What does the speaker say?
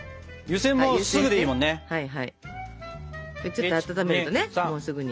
ちょっと温めるとねもうすぐに。